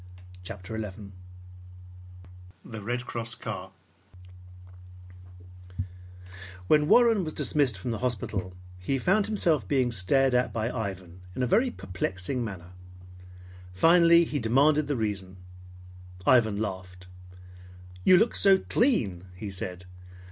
CHAPTER XI THE RED CROSS CAR When Warren was dismissed from the hospital, he found himself being stared at by Ivan in a very perplexing manner. Finally he demanded the reason. Ivan laughed. "You look so clean," he said.